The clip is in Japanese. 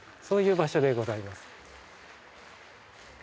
そういう場所でございます。